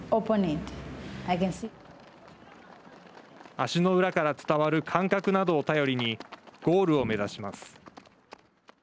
足の裏から伝わる感覚などを頼りにゴールを目指します。